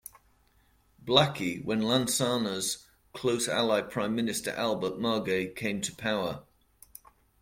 Blackie when Lansana's close ally Prime Minister Albert Margai came to power.